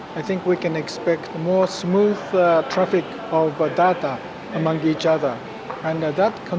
saya pikir kita dapat mengharapkan trafik data yang lebih tenang antara satu sama lain